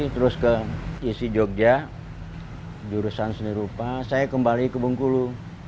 terus ke isi jogja jurusan seni rupa saya kembali ke bengkulu